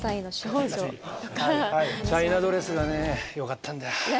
チャイナドレスがねよかったんだ！